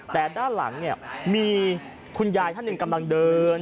แต่ด้านหลังเนี่ยมีคุณยายท่านหนึ่งกำลังเดิน